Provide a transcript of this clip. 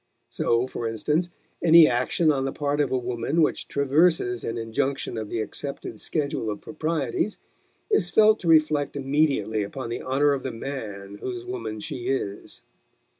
So, for instance, any action on the part of a woman which traverses an injunction of the accepted schedule of proprieties is felt to reflect immediately upon the honor of the man whose woman she is.